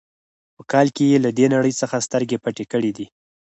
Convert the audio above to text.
په کال کې یې له دې نړۍ څخه سترګې پټې کړې دي.